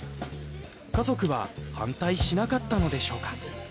家族は反対しなかったのでしょうか？